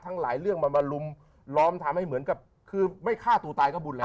หลายเรื่องมันมาลุมล้อมทำให้เหมือนกับคือไม่ฆ่าตัวตายก็บุญแล้ว